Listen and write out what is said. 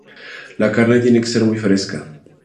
La carne tiene que ser muy fresca.